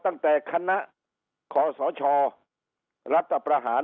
ตั้งแต่คณะขอสชรัฐประหาร